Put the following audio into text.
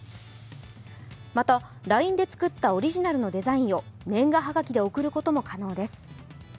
また、ＬＩＮＥで作ったオリジナルのデザインを年賀はがきで贈ることも可能です。